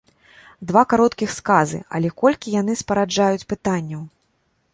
Два кароткіх сказы, але колькі яны спараджаюць пытанняў!